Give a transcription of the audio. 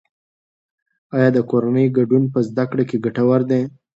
آیا د کورنۍ ګډون په زده کړه کې ګټور دی؟